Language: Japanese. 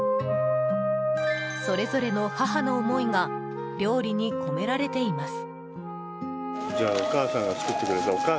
それぞれの母の思いが料理に込められています。